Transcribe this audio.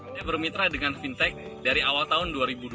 dia bermitra dengan fintech dari awal tahun dua ribu dua puluh